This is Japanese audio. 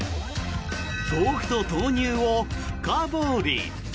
豆腐と豆乳を深掘り。